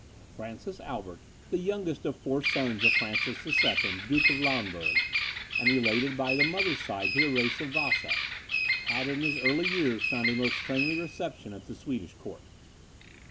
Francis Albert, the youngest of four sons of Francis II, Duke of Lauenburg, and related by the mother's side to the race of Vasa, had, in his early years, found a most friendly reception at the Swedish court.